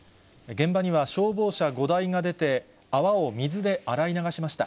現場には消防車５台が出て、泡を水で洗い流しました。